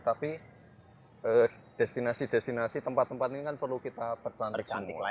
tapi destinasi destinasi tempat tempat ini kan perlu kita percantik semua